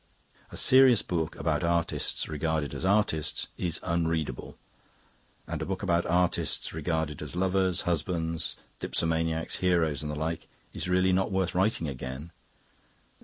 A serious book about artists regarded as artists is unreadable; and a book about artists regarded as lovers, husbands, dipsomaniacs, heroes, and the like is really not worth writing again.